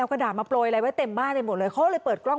กระดาษมาโปรยอะไรไว้เต็มบ้านไปหมดเลยเขาเลยเปิดกล้อง